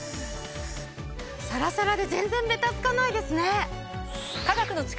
サラサラで全然ベタつかないですね！